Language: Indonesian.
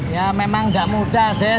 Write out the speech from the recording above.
ya memang gak mudah des